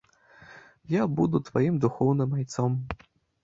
Я буду тваім духоўным айцом!